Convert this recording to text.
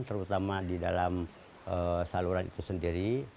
terutama di dalam saluran itu sendiri